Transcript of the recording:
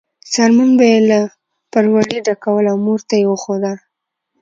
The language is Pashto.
څرمن به یې له پروړې ډکوله او مور ته یې وښوده.